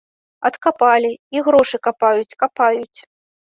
Адкапалі, і грошы капаюць, капаюць.